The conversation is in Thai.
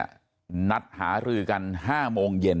ทางคุณชัยธวัดก็บอกว่าการยื่นเรื่องแก้ไขมาตรวจสองเจน